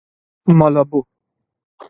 مالابو